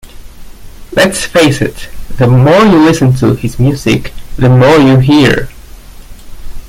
Let's face it: the more you listen to his music, the more you hear.